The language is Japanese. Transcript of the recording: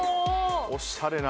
おしゃれな。